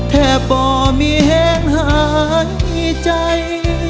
แท่บ่อมีแห้งหายใจ